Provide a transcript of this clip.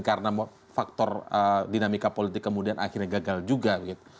karena faktor dinamika politik kemudian akhirnya gagal juga